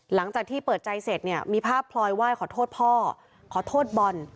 หลังจากที่เปิดใจเสร็จเนี่ยมีภาพพลอยไหว้ขอโทษพ่อขอโทษบอล